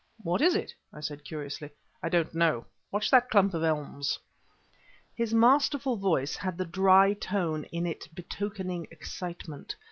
"What is it?" I said, curiously. "I don't know. Watch that clump of elms." His masterful voice had the dry tone in it betokening excitement.